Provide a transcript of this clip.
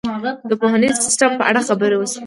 د پوهنیز سیستم په اړه خبرې وشوې.